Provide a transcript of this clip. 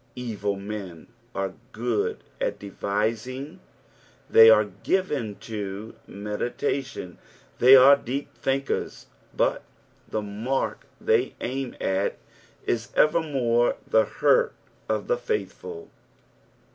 Evil men are guod at devisjng ; tliey are given to meditation, they are deep thinkers, but the mark they aim at is evermore the hurt of the faithful.